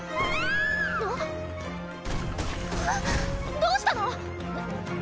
どうしたの⁉えっ？